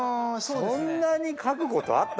そんなに書くことあった？